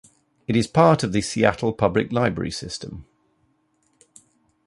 It is part of the Seattle Public Library system.